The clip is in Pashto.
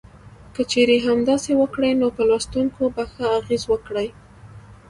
که چېرې همداسې وکړي نو په لوستونکو به ښه اغیز وکړي.